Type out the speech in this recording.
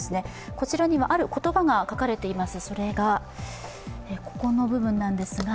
こちらには、ある言葉が書かれています。